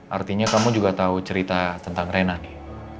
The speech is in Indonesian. artinya kamu juga tau cerita tentang reina nih